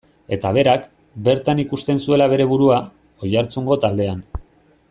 Eta berak, bertan ikusten zuela bere burua, Oiartzungo taldean.